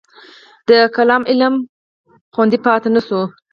د کلام علم هم خوندي پاتې نه شو.